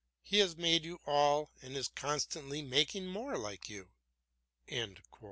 "He has made you all and is constantly making more like you."